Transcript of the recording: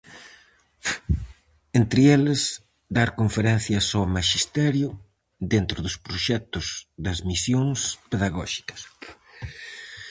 Entre eles, "dar conferencias ao Maxisterio", dentro dos proxectos das Misións Pedagóxicas.